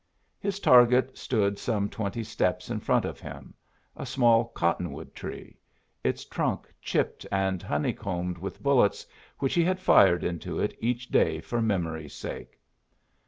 His target stood some twenty steps in front of him a small cottonwood tree, its trunk chipped and honeycombed with bullets which he had fired into it each day for memory's sake.